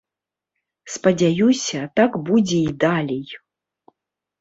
Спадзяюся, так будзе і далей.